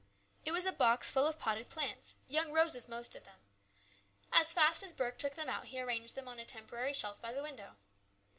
It was a box full of potted plants, young roses, most of them. As fast as Burke took them out he arranged them on a temporary shelf by the window.